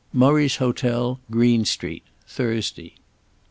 Murray's Hotel, Green Street, Thursday.